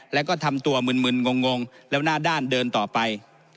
แล้วก็ทำตัวมึนงงแล้วหน้าด้านเดินต่อไป